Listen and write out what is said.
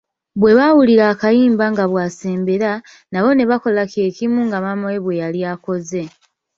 Bwe baawulira akayimba nga bw'asembera, nabo ne bakola kye kimu nga maama we bwe yali akoze .